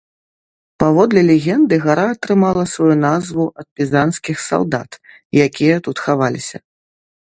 Паводле легенды гара атрымала сваю назву ад пізанскіх салдат, якія тут хаваліся.